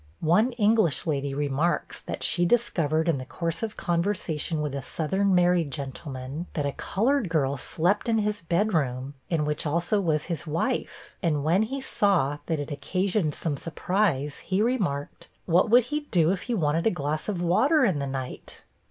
One English lady remarks that she discovered, in course of conversation with a Southern married gentleman, that a colored girl slept in his bedroom, in which also was his wife; and when he saw that it occasioned some surprise, he remarked, 'What would he do if he wanted a glass of water in the night?'